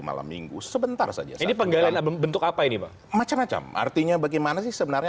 malam minggu sebentar saja ini penggalian bentuk apa ini pak macam macam artinya bagaimana sih sebenarnya